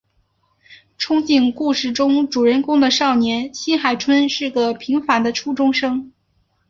憧憬故事中主人公的少年新海春是个平凡的初中生。